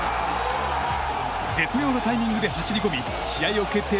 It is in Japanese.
絶妙なタイミングで走り込み試合を決定